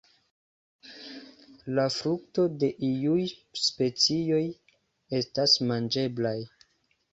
La frukto de iuj specioj estas manĝeblaj.